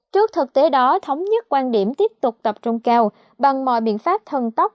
trước thực tế đó thống nhất quan điểm tiếp tục tập trung cao bằng mọi biện pháp thần tóc